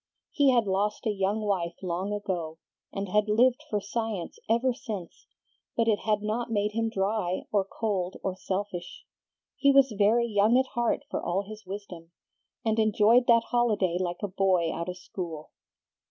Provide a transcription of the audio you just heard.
He had lost a young wife long ago, and had lived for science ever since, but it had not made him dry, or cold, or selfish. He was very young at heart for all his wisdom, and enjoyed that holiday like a boy out of school.